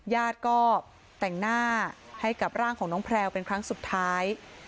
ญาติก็แต่งหน้าให้กับร่างของน้องแพลวเป็นครั้งสุดท้าย